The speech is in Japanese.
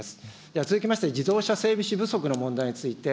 では続きまして、自動車整備士不足の問題について、